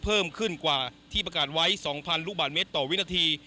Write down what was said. เพิ่มขึ้นกว่าที่ประกาศไว้๒๐๐ลูกบาทเมตรต่อวินาที